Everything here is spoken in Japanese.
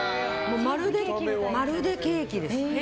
まるでケーキです。